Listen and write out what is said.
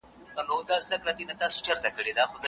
خو زعفران هر کال کرل کېږي.